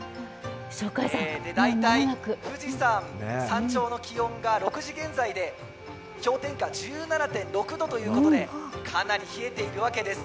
大体富士山山頂の気温が６時現在で氷点下１７．６度ということでかなり冷えているわけです。